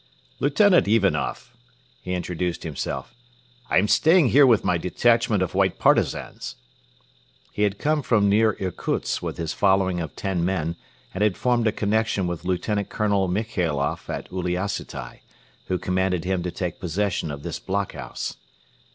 "Lieutenant Ivanoff," he introduced himself. "I am staying here with my detachment of White Partisans." He had come from near Irkutsk with his following of ten men and had formed a connection with Lieutenant Colonel Michailoff at Uliassutai, who commanded him to take possession of this blockhouse.